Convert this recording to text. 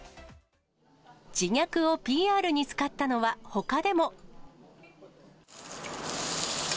自虐をＰＲに使ったのは、ほかでも。